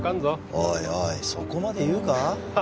おいおいそこまで言うか？